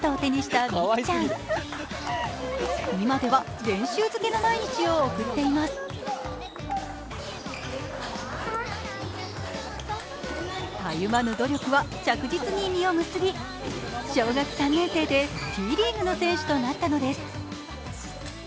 たゆまぬ努力は着実に実を結び小学３年生でＴリーグの選手となったのです。